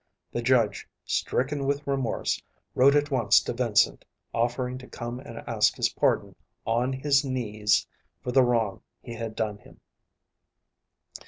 The judge, stricken with remorse, wrote at once to Vincent, offering to come and ask his pardon on his knees for the wrong he had done him.